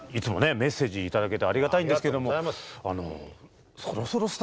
メッセージいただけてありがたいんですけどもみゆきさん